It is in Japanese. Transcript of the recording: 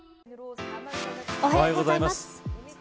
おはようございます。